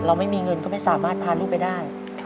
ไม่มีเงินก็ไม่สามารถพาลูกไปได้